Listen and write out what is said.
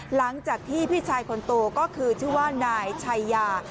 หลังจากที่พี่ชายคนโตก็คือชื่อว่านายชัยยา